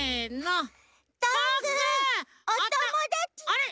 あれ？